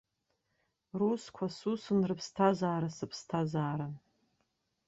Русқәа сусны, рыԥсҭазаара сыԥсҭазааран.